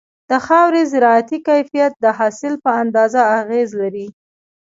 د خاورې زراعتي کيفيت د حاصل په اندازه اغېز لري.